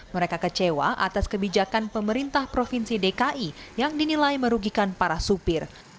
mereka kecewa atas kebijakan pemerintah provinsi dki yang dinilai merugikan para supir